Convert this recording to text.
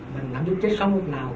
mình cảm giác chết sống lúc nào